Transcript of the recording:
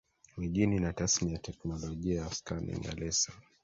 mijini na tasnia Teknolojia ya skanning ya laser